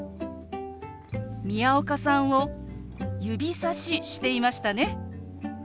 宮岡さんを指さししていましたね。